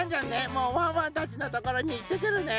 もうワンワンたちのところにいってくるね。